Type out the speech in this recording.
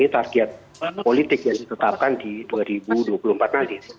target politik yang ditetapkan di dua ribu dua puluh empat nanti